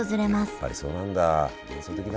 やっぱりそうなんだ。